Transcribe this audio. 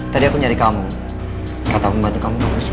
tadi aku nyari kamu kata aku bantu kamu nge person